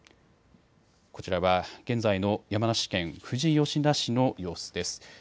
こちらは、現在の山梨県富士吉田市の様子です。